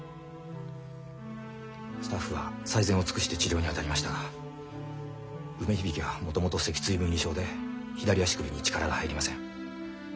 スタッフは最善を尽くして治療にあたりましたが梅響はもともと脊椎分離症で左足首に力が入りません。